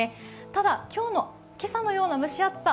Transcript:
ただ今朝のような蒸し暑さ